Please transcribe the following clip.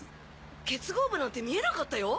結合部なんて見えなかったよ。